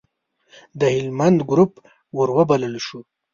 د هلمند ګروپ وروبلل شو.